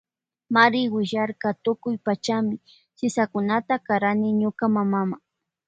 Mari willarka tukuy pachami sisakunata karani ñuka mamama.